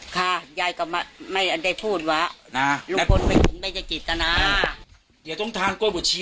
ค่ะยายก็ไม่ได้พูดว่านะลูกคนไม่ได้จิตนาอย่าต้องทานกล้วยหัวชีด